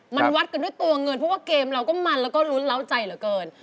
เพราะว่าเกมเราก็มันแล้วก็รุ้นเล่าใจเหลือเกิน